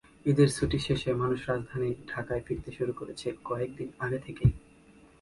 ঈদের ছুটি শেষে মানুষ রাজধানী ঢাকায় ফিরতে শুরু করেছে কয়েক দিন আগে থেকেই।